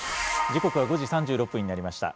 時刻は５時３６分になりました。